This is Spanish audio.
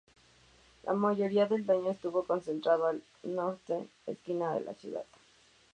La mayoría del daño estuvo concentrado al northwestern esquina de la ciudad.